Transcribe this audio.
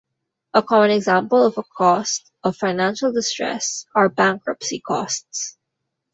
A common example of a cost of financial distress are bankruptcy costs.